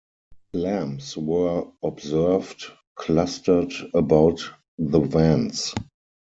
Clams were observed clustered about the vents.